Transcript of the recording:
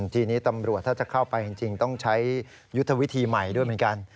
ทีนี้ตำรวจถ้าจะเข้าไปจริงต้องใช้ยุทธวิธีใหม่ด้วยเหมือนกัน